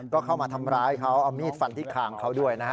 ก็เข้ามาทำร้ายเขาเอามีดฟันที่คางเขาด้วยนะฮะ